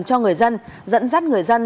cho người dân dẫn dắt người dân